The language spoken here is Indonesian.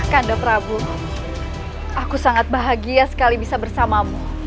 kanda prabu aku sangat bahagia sekali bisa bersamamu